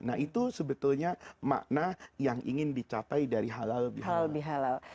nah itu sebetulnya makna yang ingin dicapai dari halal bihalal